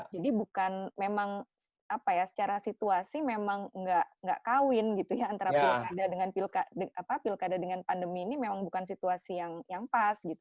jadi bukan memang apa ya secara situasi memang tidak kawin gitu ya antara pilkada dengan pandemi ini memang bukan situasi yang pas gitu